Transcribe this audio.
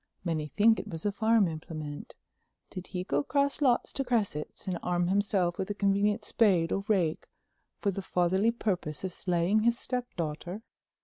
Many think it was a farm implement. Did he go across lots to Cresset's and arm himself with a convenient spade or rake for the fatherly purpose of slaying his stepdaughter?"